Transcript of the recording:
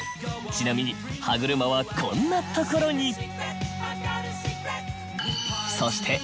ちなみに歯車はこんなところに。